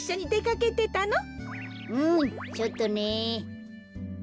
うんちょっとね。